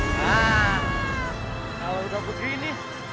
kalau udah begini